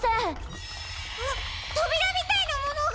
あっとびらみたいなものが！